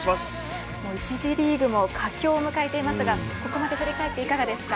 １次リーグも佳境を迎えていますがここまで振り返っていかがですか。